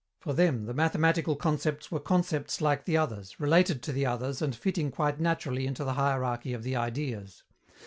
For them, the mathematical concepts were concepts like the others, related to the others and fitting quite naturally into the hierarchy of the Ideas.